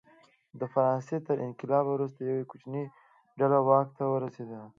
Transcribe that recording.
د فرانسې تر انقلاب وروسته یوه کوچنۍ ډله واک ته ورسېده.